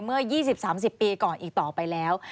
เมื่อ๒๐๓๐ปีก่อนอีกต่อไปแล้ว